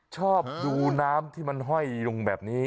ชอบดูน้ำที่มันห้อยลงแบบนี้